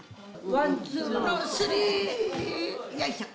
ワンツーのスリーよいしょ